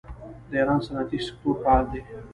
د ایران صنعتي سکتور فعال دی.